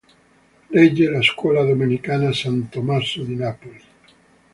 Regge la Scuola Domenicana San Tommaso di Napoli.